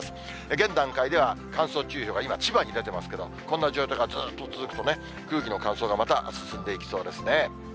現段階では乾燥注意報が今、千葉に出てますけれども、こんな状態がずっと続くとね、空気の乾燥がまた進んでいきそうですね。